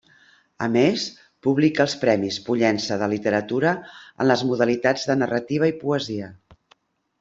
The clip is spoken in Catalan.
A més, publica els Premis Pollença de Literatura en les modalitats de Narrativa i Poesia.